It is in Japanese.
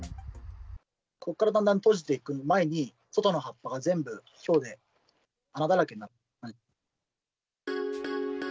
ここからだんだん閉じていく前に、外の葉っぱが全部、ひょうで穴だらけになって。